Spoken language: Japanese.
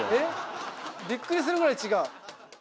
びっくりするぐらい違う？